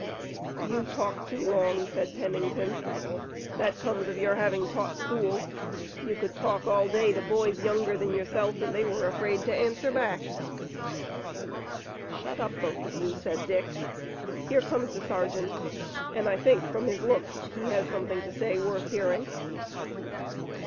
"You talk too long," said Pennington. "That comes of your having taught school. You could talk all day to boys younger than yourself, and they were afraid to answer back." "Shut up, both of you," said Dick. "Here comes the sergeant, and I think from his look he has something to say worth hearing."